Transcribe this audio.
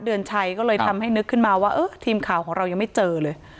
เดือนชัยก็เลยทำให้นึกขึ้นมาว่าเออทีมข่าวของเรายังไม่เจอเลย